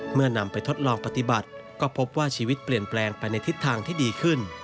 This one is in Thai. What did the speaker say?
นำไปทดลองปฏิบัติก็พบว่าชีวิตเปลี่ยนแปลงไปในทิศทางที่ดีขึ้น